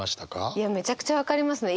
いやめちゃくちゃ分かりますね。